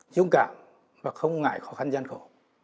dũng cảm và không ngại khó khăn gian khổ